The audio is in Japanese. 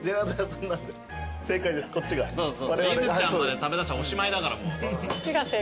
いずちゃんまで食べだしたらおしまいだからもう。